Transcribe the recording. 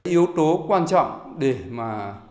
yếu tố quan trọng để mà